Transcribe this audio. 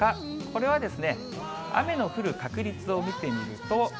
これは雨の降る確率を見てみると。